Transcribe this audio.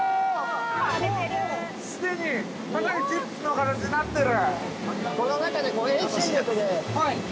◆既に、かなりチップの形になってる。